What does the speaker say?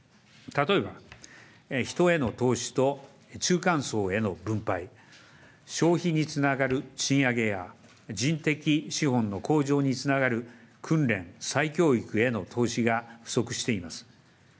例えば、人への投資と中間層への分配、消費につながる賃上げや、人的資本の向上につながる訓練、再教育への投資が不足しています。